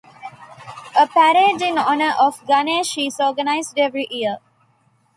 A parade in honor of Ganesh is organized every year.